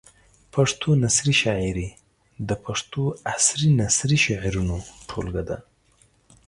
پښتو نثري شاعري د پښتو عصري نثري شعرونو ټولګه ده.